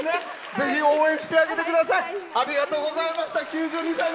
ぜひ応援してあげてください。